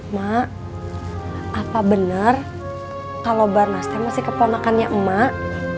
mak apa benar kalau barnas teh masih keponakannya emak